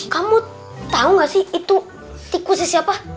kamu tahu nggak sih itu tikusnya siapa